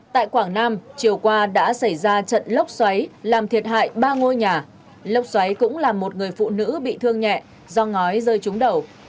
tại quảng nam chiều qua đã xảy ra trận lốc xoáy làm thiệt hại ba ngôi nhà lốc xoáy cũng làm một người phụ nữ bị thương nhẹ do ngói rơi trúng đầu